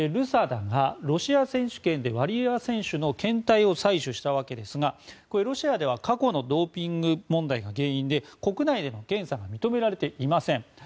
ＲＵＳＡＤＡがロシア選手権でワリエワ選手の検体を採取したわけですがロシアでは過去のドーピング問題が原因で国内での検査が認められていません。